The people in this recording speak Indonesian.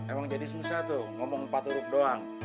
emang jadi susah tuh ngomong empat huruf doang